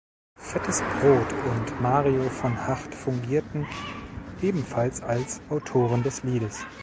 Fettes Brot und Mario von Hacht fungierten ebenfalls als Autoren des Liedes.